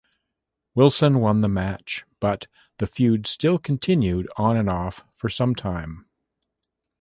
Wilson won the match, but the feud still continued on-and-off for some time.